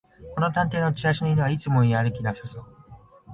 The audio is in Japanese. この探偵のチラシの犬はいつもやる気なさそう